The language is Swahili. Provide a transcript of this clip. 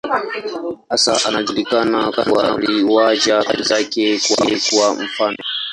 Hasa anajulikana kwa riwaya zake, kwa mfano.